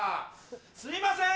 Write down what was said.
すいません